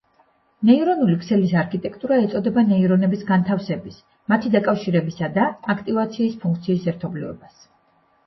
ნეირონული ქსელის არქიტექტურა ეწოდება ნეირონების განთავსების, მათი დაკავშირების და აქტივაციის ფუნქციის ერთობლიობას.